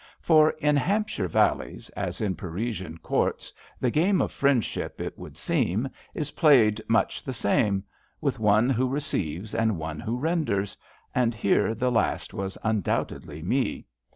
For in Hampshire valleys as in Parisian courts, the game of friendship, it would seem, is played much the same, with one who receives and one who renders, and here the last was undoubtedly Me.